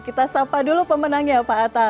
kita sapa dulu pemenangnya pak atta